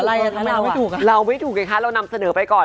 เราไม่ถูกแล้วแล้วเราไม่ถูกไอค้ะเรานำเสนอไปก่อน